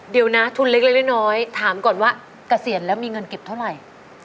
เดี๋ยวนะทุนเล็กน้อยถามก่อนว่าเกษียณแล้วมีเงินเก็บเท่าไหร่